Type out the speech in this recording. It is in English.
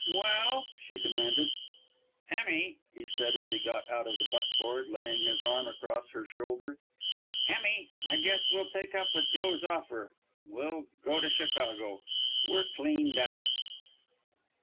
"Well?" she demanded. "Emmie," he said as he got out of the buckboard, laying his arm across her shoulder, "Emmie, I guess we'll take up with Joe's offer. We'll go to Chicago. We're cleaned out!"